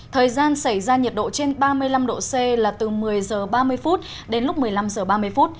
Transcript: thời gian xảy ra nhiệt độ trên ba mươi năm độ c là từ một mươi h ba mươi đến lúc một mươi năm h ba mươi